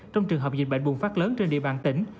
trong trường hợp dịch bệnh bùng phát lớn trên địa bàn tỉnh